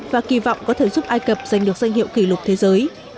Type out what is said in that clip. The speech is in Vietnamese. và kỳ vọng có thể giúp ai cập giành được danh hiệu kỷ lục thế giới